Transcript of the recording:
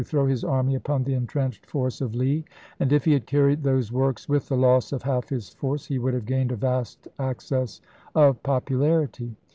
throw his army upon the intrenched force of Lee, and if he had carried those works with the loss of half his force, he would have gained a vast access of popularity.